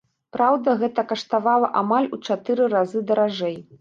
Праўда, гэта каштавала амаль у чатыры разы даражэй.